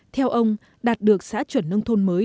theo ông đạt được xã chuẩn nông thôn mới